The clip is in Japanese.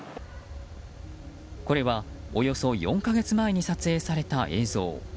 これはおよそ４か月前に撮影された映像。